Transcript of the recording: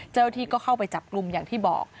เจ้าหน้าที่ก็เข้าไปจับกลุ่มอย่างที่บอก